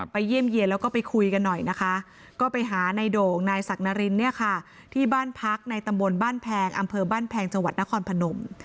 เยี่ยมเยี่ยนแล้วก็ไปคุยกันหน่อยนะคะก็ไปหานายโด่งนายศักดรินเนี่ยค่ะที่บ้านพักในตำบลบ้านแพงอำเภอบ้านแพงจังหวัดนครพนม